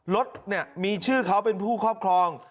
รถเนี่ยมีชื่อเขาเป็นผู้ครอบครอง